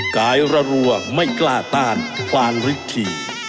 หลายระรัวไม่กล้าต้านพลานฤทธิ